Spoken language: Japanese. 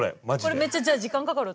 これめっちゃじゃあ時間かかる？